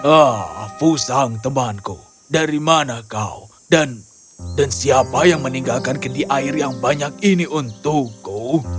ah fusang temanku dari mana kau dan siapa yang meninggalkan kendi air yang banyak ini untukku